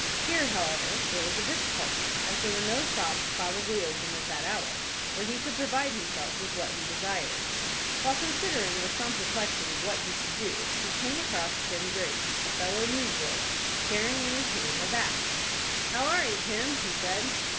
Here, however, there was a difficulty, as there were no shops probably open at that hour, where he could provide himself with what he desired. While considering with some perplexity what he should do, he came across Tim Graves, a fellow newsboy, carrying in his hand a bat. "How are you, Tim?" he said.